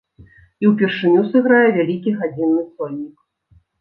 І ўпершыню сыграе вялікі гадзінны сольнік.